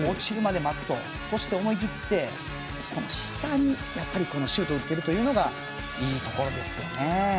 そして、思い切って下にシュートを打っているのがいいところですよね。